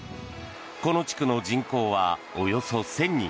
この地区の人口はおよそ１０００人。